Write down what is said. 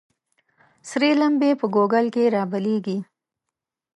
ســـــــرې لمـبـــــې په ګوګـل کــې رابلـيـــږي